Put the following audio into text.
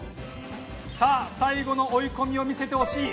さぁ最後の追い込みを見せてほしい。